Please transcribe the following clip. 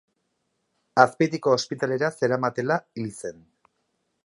Azpeitiko ospitalera zeramatela hil zen.